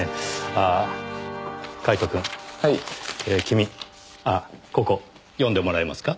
君あっここ読んでもらえますか？